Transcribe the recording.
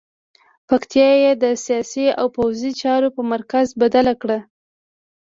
پکتیا یې د سیاسي او پوځي چارو په مرکز بدله کړه.